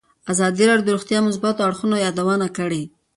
ازادي راډیو د روغتیا د مثبتو اړخونو یادونه کړې.